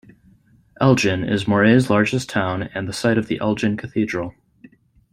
Elgin is Moray's largest town and the site of the Elgin Cathedral.